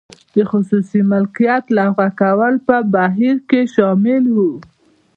د خصوصي مالکیت لغوه کول په بهیر کې شامل و.